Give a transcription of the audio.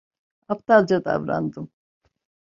Aptalca davrandım.